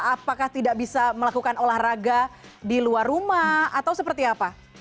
apakah tidak bisa melakukan olahraga di luar rumah atau seperti apa